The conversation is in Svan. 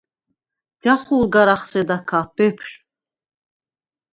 ჯახუ̄ლ გარ ახსედა ქა, ბეფშვ.